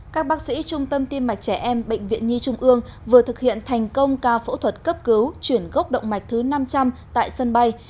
các bác sĩ trung tâm tiêm mạch trẻ em bệnh viện nhi trung ương vừa thực hiện thành công ca phẫu thuật cấp cứu chuyển gốc động mạch thứ năm trăm linh tại sân bay